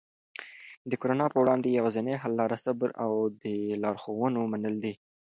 د کرونا په وړاندې یوازینی حل لاره صبر او د لارښوونو منل دي.